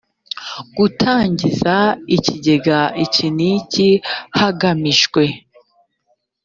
gutangiza ikigega iki n iki hagamijwe